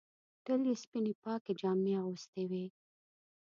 تل یې سپینې پاکې جامې اغوستې وې.